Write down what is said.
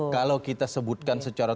kalau kita sebutkan secara